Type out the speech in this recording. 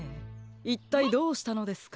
いったいどうしたのですか？